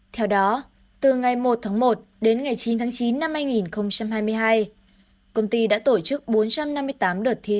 theo đó từ ngày một tháng một đến ngày chín tháng chín năm hai nghìn hai mươi hai công ty đã tổ chức bốn trăm năm mươi tám đợt thi